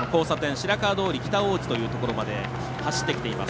白川通、北大路というところまで走ってきています。